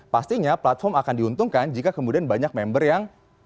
pastinya platform akan diuntungkan jika kemudian banyak member yang